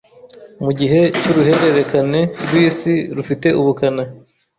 Mu gihe cy’uruhererekane rw'isi rufite ubukana